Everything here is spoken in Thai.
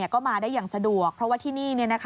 ก็มาได้อย่างสะดวกเพราะว่าที่นี่